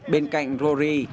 bên cạnh rodri